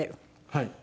はい。